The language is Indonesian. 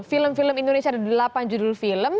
film film indonesia ada delapan judul film